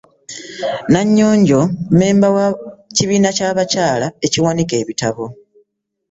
Nannyonjo mmemba wa kibiina kya bakyala abawandiika ebitabo.